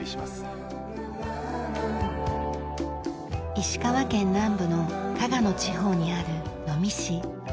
石川県南部の加賀の地方にある能美市。